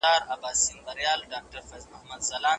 اوس له شپو سره راځي اغزن خوبونه